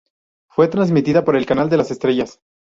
Fue transmitida por El Canal de las Estrellas.